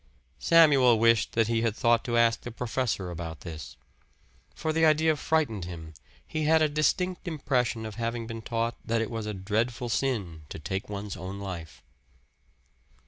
Samuel wished that he had thought to ask the professor about this. For the idea frightened him; he had a distinct impression of having been taught that it was a dreadful sin to take one's own life.